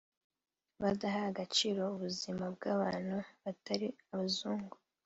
badaha agaciro ubuzima bw'abantu batari abazungu